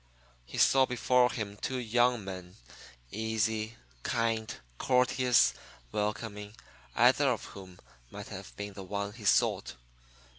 He saw before him two young men, easy, kind, courteous, welcoming, either of whom might have been the one he sought.